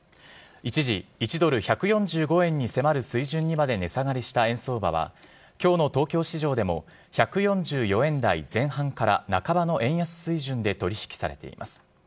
一時、１ドル１４５円に迫る水準にまで値下がりした円相場は今日の東京市場でも１４４円台前半から半ばの円安水準で取引されています。